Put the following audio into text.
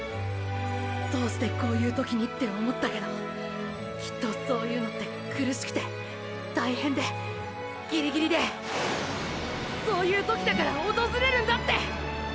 どうしてこういう時にって思ったけどきっとそういうのって苦しくて大変でギリギリでそういう時だから訪れるんだって！！